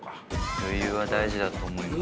余裕は大事だと思います。